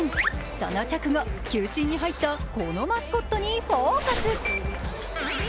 その直後、球審に入ったこのマスコットにフォーカス。